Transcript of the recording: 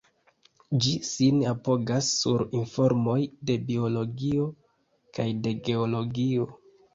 Ĝi sin apogas sur informoj de Biologio kaj de Geologio.